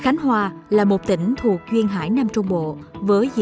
khánh hòa là một trong những địa phương khu vực nam trung bộ có đường bờ biển dài